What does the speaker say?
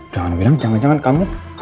jangan bilang jangan jangan kamu